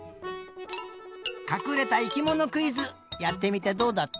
かくれた生きものクイズやってみてどうだった？